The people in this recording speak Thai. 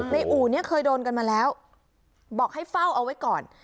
อู่เนี่ยเคยโดนกันมาแล้วบอกให้เฝ้าเอาไว้ก่อน